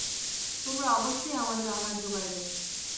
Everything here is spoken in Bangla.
তোমরা অবশ্যই আমাদের আহার যোগাইবে।